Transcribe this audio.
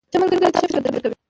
• ښه ملګری تا ته ښه فکر درکوي.